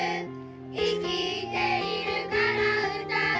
「生きているから歌うんだ」